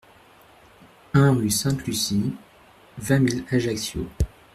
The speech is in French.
un rue Sainte-Lucie, vingt mille Ajaccio